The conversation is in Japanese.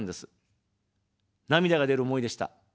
涙が出る思いでした。